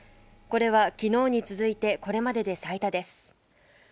これはきのうに続いて、これまでで最多です。